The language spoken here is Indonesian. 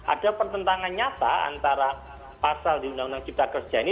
ada pertentangan nyata antara pasal di undang undang cipta kerja ini